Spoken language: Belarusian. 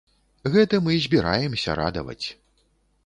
Гэтым і збіраемся радаваць.